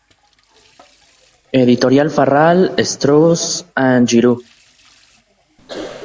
Editorial Farrar, Strauss and Giroux.